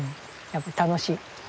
やっぱ楽しい。